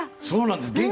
そうなんです。